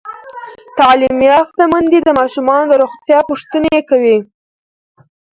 تعلیم یافته میندې د ماشومانو د روغتیا پوښتنې کوي.